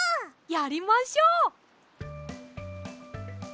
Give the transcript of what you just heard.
やりましょう！